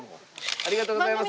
ありがとうございます。